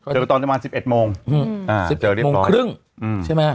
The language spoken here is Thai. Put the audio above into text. เจอกันตอนนี้น่ะวันสิบเอ็ดมงอื้อหือจริงใช่ไหมอ้ะ